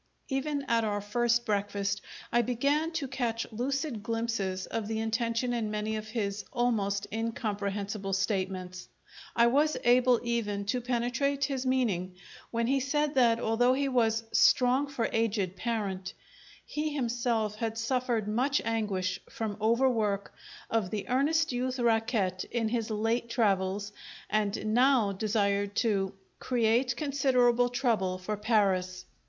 Even at our first breakfast I began to catch lucid glimpses of the intention in many of his almost incomprehensible statements. I was able, even, to penetrate his meaning when he said that although he was "strong for aged parent," he himself had suffered much anguish from overwork of the "earnest youth racquette" in his late travels, and now desired to "create considerable trouble for Paris."